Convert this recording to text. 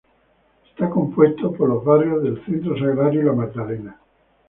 Está compuesto por los barrios de Centro-Sagrario y La Magdalena.